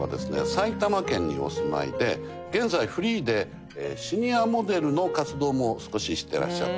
埼玉県にお住まいで現在フリーでシニアモデルの活動も少ししてらっしゃって。